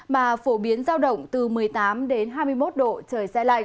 mà phổ biến giao động từ một mươi tám đến ba mươi độ